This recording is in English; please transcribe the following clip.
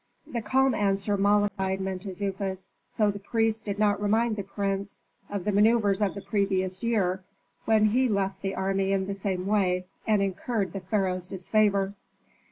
The calm answer mollified Mentezufis, so the priest did not remind the prince of the manœuvres of the previous year when he left the army in the same way and incurred the pharaoh's disfavor.